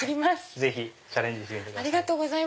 ぜひチャレンジしてください。